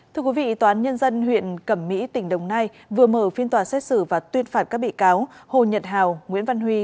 thưa quý vị tòa án nhân dân huyện cẩm mỹ tỉnh đồng nai vừa mở phiên tòa xét xử và tuyên phạt các bị cáo hồ nhật hào nguyễn văn huy